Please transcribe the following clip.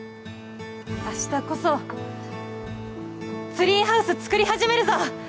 明日こそツリーハウス作りはじめるぞ！